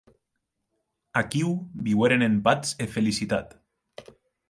Aquiu viueren en patz e felicitat.